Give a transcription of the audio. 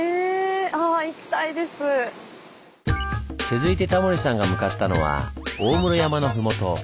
続いてタモリさんが向かったのは大室山のふもと。